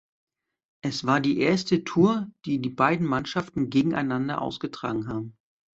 Es war die erste Tour die die beiden Mannschaften gegeneinander ausgetragen haben.